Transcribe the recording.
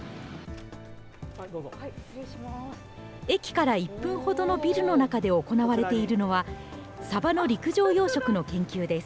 駅から１分ほどのビルの中で行われているのは、サバの陸上養殖の研究です。